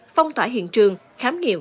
phong tỏa hiện trường khám nghiệm